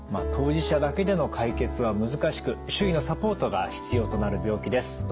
当事者だけでの解決は難しく周囲のサポートが必要となる病気です。